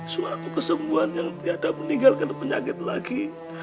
suatu kesembuhan yang tiada meninggalkan penyakit lagi